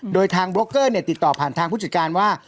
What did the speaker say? โดยทางโบรกเกอร์ติดต่อผ่านทางผู้จัดการว่า